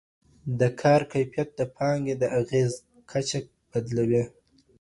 د کار کیفیت د پانګې د اغېز کچه بدلوي.